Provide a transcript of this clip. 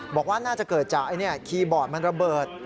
บอกว่าน่าจะเกิดจากคีย์บอร์ดมันระเบิด